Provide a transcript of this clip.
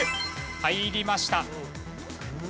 入りました。